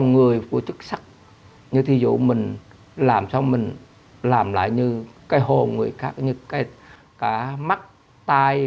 người của chức sắc như thí dụ mình làm sao mình làm lại như cái hồn người khác như cái cả mắt tai